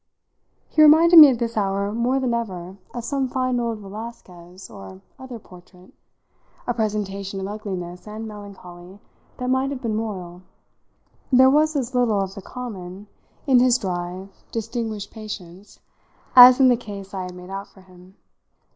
He reminded me at this hour more than ever of some fine old Velasquez or other portrait a presentation of ugliness and melancholy that might have been royal. There was as little of the common in his dry, distinguished patience as in the case I had made out for him.